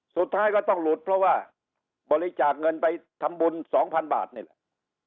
สุดท้ายก็ต้องหลุดเพราะว่าบริจาคเงินไปทำบุญ๒๐๐๐บาทนี่แหละ